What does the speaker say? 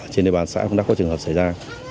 trên địa bàn xã cũng đã có trường hợp xảy ra